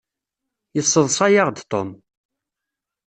Yesseḍṣa-yaɣ-d Tom.